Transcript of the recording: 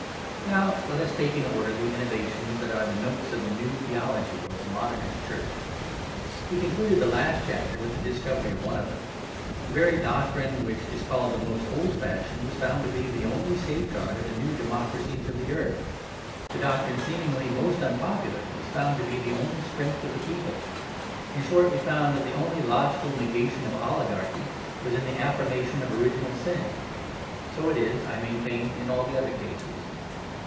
Now let us take in order the innovations that are the notes of the new theology or the modernist church. We concluded the last chapter with the discovery of one of them. The very doctrine which is called the most old fashioned was found to be the only safeguard of the new democracies of the earth. The doctrine seemingly most unpopular was found to be the only strength of the people. In short, we found that the only logical negation of oligarchy was in the affirmation of original sin. So it is, I maintain, in all the other cases.